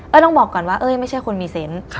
ต้องบอกก่อนว่าเอ้ยไม่ใช่คนมีเซนต์